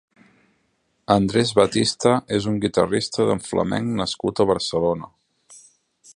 Andrés Batista és un guitarrista de flamenc nascut a Barcelona.